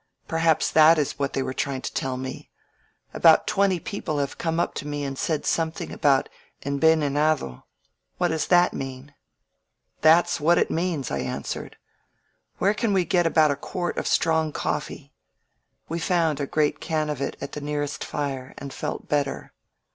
"Perhaps that is what they were trying to tell me. About twenty people have €ome up to me and said something about envenenado. What does that mean?" "That's what it means," I answered. "Where can we get about a quart of strong coffee?" We found a great can of it at the nearest fire and felt better.